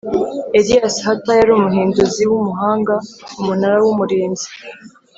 Elias hutter yari umuhinduzi w umuhanga umunara w umurinzi